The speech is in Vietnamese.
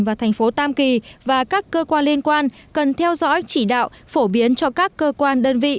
và thành phố tam kỳ và các cơ quan liên quan cần theo dõi chỉ đạo phổ biến cho các cơ quan đơn vị